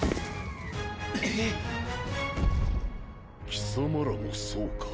貴様らもそうか。